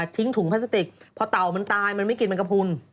ทิ้งถุงพาสติกเพราะเต่ามันตายมันไม่กินแมงกระพูน